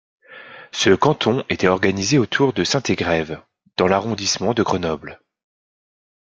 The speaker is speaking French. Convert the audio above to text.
Ce canton était organisé autour de Saint-Égrève dans l'arrondissement de Grenoble.